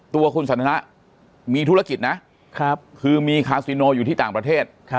ตัวคุณสันทนะมีธุรกิจนะคือมีคาซิโนอยู่ที่ต่างประเทศ